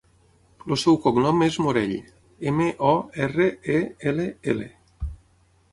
El seu cognom és Morell: ema, o, erra, e, ela, ela.